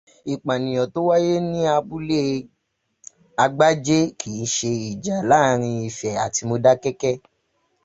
Ìpànìyàn tó wáye ni abúle Agbájé kìí ṣe ìjà láàrín Ifẹ̀ àti Mọdákẹ́kẹ́